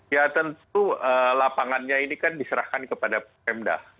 ya tentu lapangannya ini kan diserahkan kepada pemda